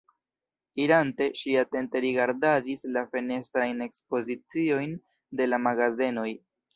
Irante, ŝi atente rigardadis la fenestrajn ekspoziciojn de la magazenoj.